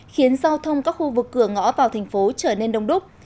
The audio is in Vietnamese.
khiến giao thông các khu vực cửa ngõ vào thành phố trở nên đông đúc